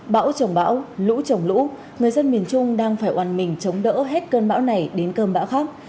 bão trồng bão lũ trồng lũ người dân miền trung đang phải oàn mình chống đỡ hết cơn bão này đến cơn bão khác